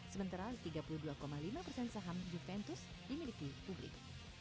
sementara tiga puluh dua lima persen saham juventus dimiliki publik